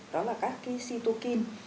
đó là các cytokine